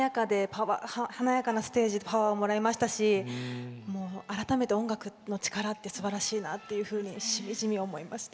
華やかなステージでパワーをもらいましたし改めて音楽の力ってすばらしいなとしみじみ思いました。